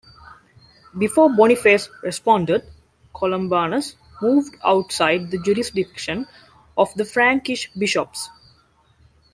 Before Boniface responded, Columbanus moved outside the jurisdiction of the Frankish bishops.